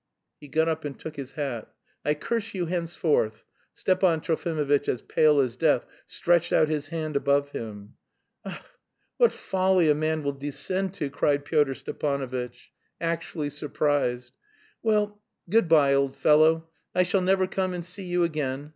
He got up and took his hat. "I curse you henceforth!" Stepan Trofimovitch, as pale as death, stretched out his hand above him. "Ach, what folly a man will descend to!" cried Pyotr Stepanovitch, actually surprised. "Well, good bye, old fellow, I shall never come and see you again.